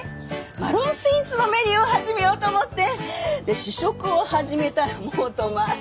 マロンスイーツのメニューを始めようと思って試食を始めたらもう止まら